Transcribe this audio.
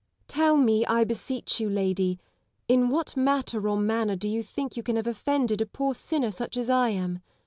Tell me, I beseech you, lady ! in what matter or manner do you think you can have offended a poor sinner such as I am.